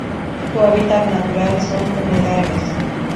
Su hábitat natural son humedales.